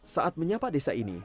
saat menyapa desa ini